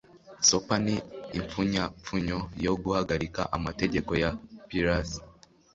sopa ni impfunyapfunyo yo guhagarika amategeko ya piracy